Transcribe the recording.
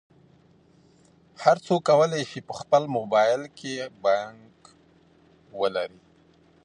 هر څوک کولی شي په خپل موبایل کې بانک ولري.